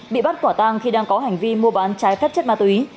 bị bắt quả tang khi đang có hành vi mua bán trái phép chất ma túy